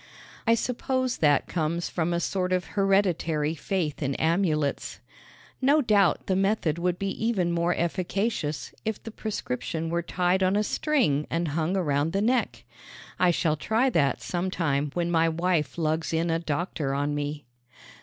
I suppose that comes from a sort of hereditary faith in amulets. No doubt the method would be even more efficacious if the prescription were tied on a string and hung around the neck. I shall try that some time when my wife lugs in a doctor on me.